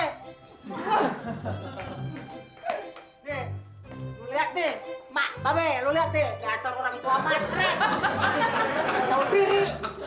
nih lu liat deh mak mbak be lu liat deh dasar orang tua matre atau diri